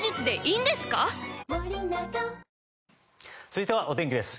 続いてはお天気です。